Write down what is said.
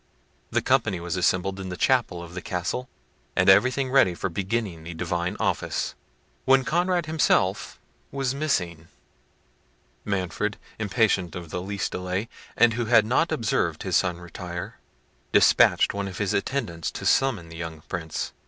The company was assembled in the chapel of the Castle, and everything ready for beginning the divine office, when Conrad himself was missing. Manfred, impatient of the least delay, and who had not observed his son retire, despatched one of his attendants to summon the young Prince.